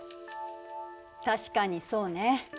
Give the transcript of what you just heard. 確かにそうね。